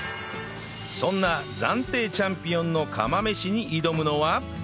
そんな暫定チャンピオンの釜飯に挑むのは